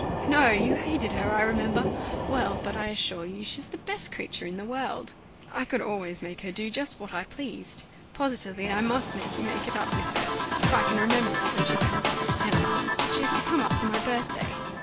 No, you hated her, I remember. Well, but I assure you she's the best creature in the world; I could always make her do just what I pleased. Positively, I must make you make it up with her, if I can remember it, when she comes up to town she is to come up for my birthday.